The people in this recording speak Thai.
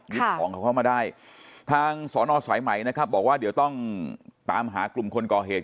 ของเขาเข้ามาได้ทางสอนอสายใหม่นะครับบอกว่าเดี๋ยวต้องตามหากลุ่มคนก่อเหตุ